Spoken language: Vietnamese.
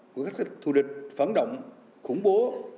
của các thủ địch phản động khủng bố